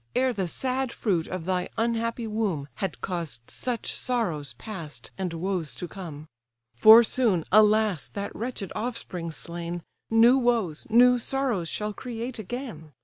Ere the sad fruit of thy unhappy womb Had caused such sorrows past, and woes to come. For soon, alas! that wretched offspring slain, New woes, new sorrows, shall create again.